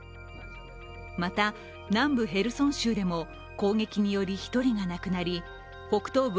また、南部ヘルソン州でも攻撃により１人が亡くなり北東部